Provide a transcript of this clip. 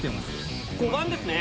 ５番ですね。